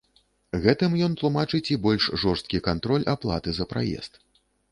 Гэтым ён тлумачыць і больш жорсткі кантроль аплаты за праезд.